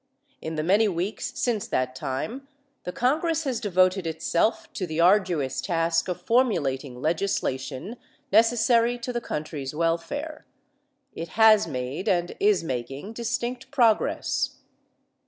In the many weeks since that time the Congress has devoted itself to the arduous task of formulating legislation necessary to the country's welfare. It has made and is making distinct progress.